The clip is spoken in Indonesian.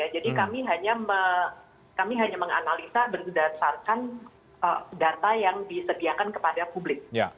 jadi kami hanya menganalisa berdasarkan data yang disediakan kepada publik